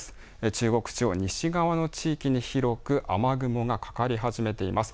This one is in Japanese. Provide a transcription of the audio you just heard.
中国地方西側の地域に雨雲が、かかり始めています。